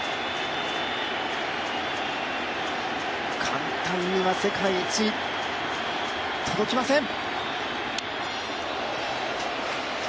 簡単には世界一、届きません。